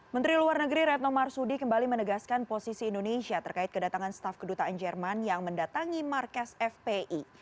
menteri luar negeri retno marsudi kembali menegaskan posisi indonesia terkait kedatangan staf kedutaan jerman yang mendatangi markas fpi